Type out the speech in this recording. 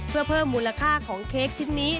เพื่อเพิ่มมูลค่าของเค้กชิ้นนี้